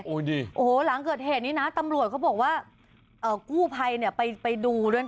โอ้โหหลังเกิดเหตุนี้นะตำรวจเขาบอกว่ากู้ภัยไปดูด้วย